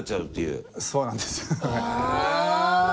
そうなんですよ。